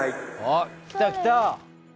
あっ来た来た。